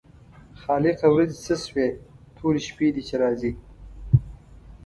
خالقه ورځې څه شوې تورې شپې دي چې راځي.